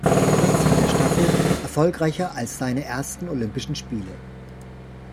Platz mit der Staffel, erfolgreicher als seine ersten Olympischen Spiele.